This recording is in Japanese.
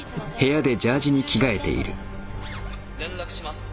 連絡します。